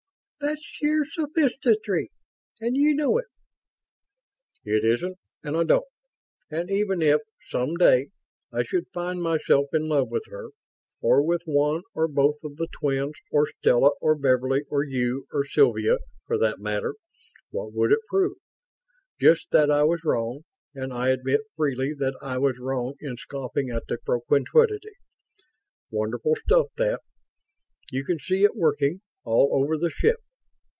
"That's sheer sophistry, and you know it!" "It isn't and I don't. And even if, some day, I should find myself in love with her or with one or both of the twins or Stella or Beverly or you or Sylvia, for that matter what would it prove? Just that I was wrong; and I admit freely that I was wrong in scoffing at the propinquity. Wonderful stuff, that. You can see it working, all over the ship.